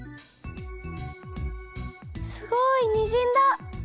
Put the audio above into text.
すごいにじんだ。